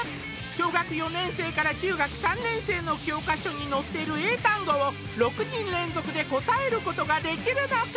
小学４年生から中学３年生の教科書に載ってる英単語を６人連続で答えることができるのか？